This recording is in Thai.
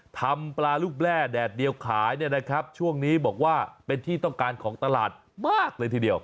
ทำปลาลูกแร่แดดเดียวขายเนี่ยนะครับช่วงนี้บอกว่าเป็นที่ต้องการของตลาดมากเลยทีเดียว